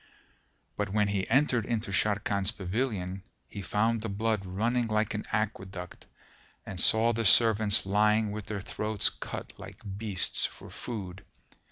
But when he entered into Sharrkan's pavilion, he found the blood running like an aqueduct and saw the servants lying with their throats cut like beasts for food.